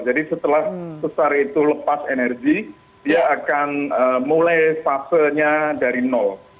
jadi setelah sesar itu lepas energi dia akan mulai fasenya dari nol